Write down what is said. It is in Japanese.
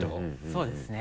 そうですね。